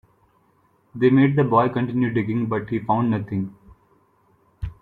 They made the boy continue digging, but he found nothing.